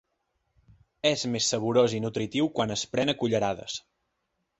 És més saborós i nutritiu quan es pren a cullerades.